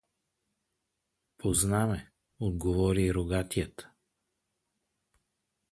— Позна ме — отговори рогатият.